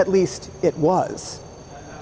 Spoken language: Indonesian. paling kurang ini adalah